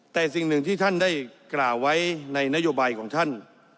แต่สิ่งหนึ่งที่ท่านได้กล่าวไว้ในนโยบายของท่าน